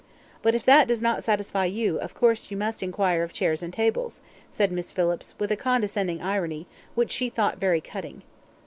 But if that does not satisfy you, of course you must inquire of chairs and tables," said Miss Phillips, with a condescending irony, which she thought very cutting.